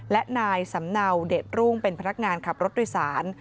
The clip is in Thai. และนายสำเนาเด็ดรุ่งเป็นพนักงานขับรถโดยสาร